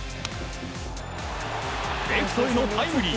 レフトへのタイムリー。